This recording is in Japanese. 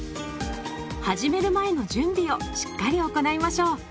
始める前の準備をしっかり行いましょう。